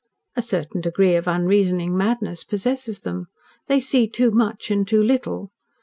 A certain degree of unreasoning madness possesses them. They see too much and too little.